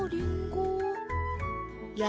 や